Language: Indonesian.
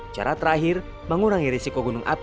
cara terakhir mengurangi risiko gunung api